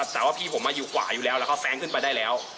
แต่ว่าพี่ผมมาอยู่ขวาอยู่แล้วแล้วเขาแซงขึ้นไปได้แล้ว